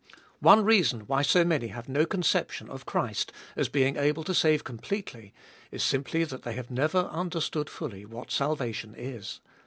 One reason why so many have no conception of Christ as able to save completely is simply that they have never understood fully what salvation is.